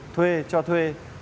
thuê cho thuê